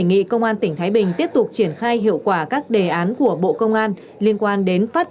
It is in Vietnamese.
đề nghị công an tỉnh thái bình tiếp tục triển khai hiệu quả các đề án của bộ công an liên quan đến phát